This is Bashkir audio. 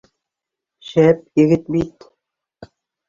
Шәп егет бит